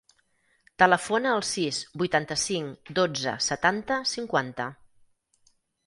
Telefona al sis, vuitanta-cinc, dotze, setanta, cinquanta.